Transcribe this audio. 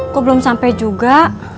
kok belum sampai juga